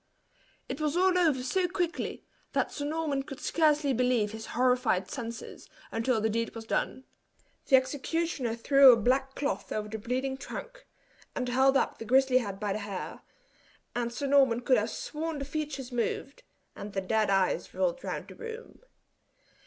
It was all over so quickly, that Sir Norman could scarcely believe his horrified senses, until the deed was done. The executioner threw a black cloth over the bleeding trunk, and held up the grizzly head by the hair; and Sir Norman could have sworn the features moved, and the dead eyes rolled round the room.